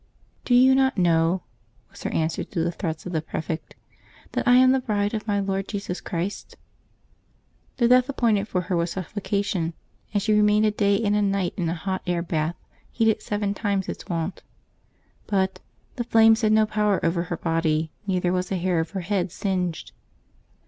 "Do you not know," was her answer to the threats of the prefect, " that I am the bride of my Lord Jesus Christ ?" The death appointed for her was suffocation, and she remained a day and a night in a hot air bath, heated seven times its wont. But " the flames had no power over her body, neither was a hair of her head singed.